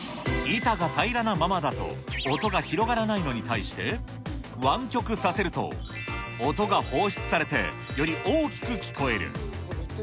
板が平らなままだと音が広がらないのに対して、湾曲させると、音が放出されて、より大きく聴こえる。